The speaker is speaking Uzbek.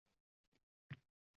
Omonatga o’xshaydi.